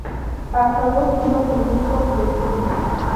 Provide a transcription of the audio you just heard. Pasados unos minutos, se sirve.